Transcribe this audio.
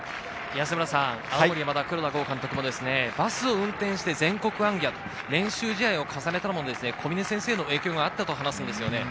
青森山田・黒田剛監督もバスを運転して全国行脚と練習試合を重ねたのも小嶺先生の影響があったと話します。